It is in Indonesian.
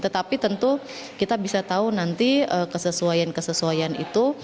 tetapi tentu kita bisa tahu nanti kesesuaian kesesuaian itu